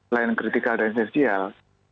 lain kritikal dan esensial